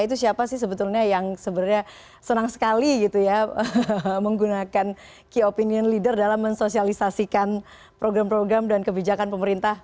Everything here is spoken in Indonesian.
itu siapa sih sebetulnya yang sebenarnya senang sekali gitu ya menggunakan key opinion leader dalam mensosialisasikan program program dan kebijakan pemerintah